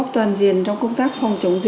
phương tiện thông tin lại chúng